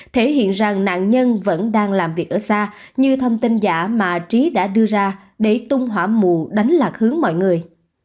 thể hiện rằng nạn nhân vẫn đang làm việc ở xa như thông tin giả mà trí đã đưa ra để tung hỏa mù đánh lạc hướng mọi người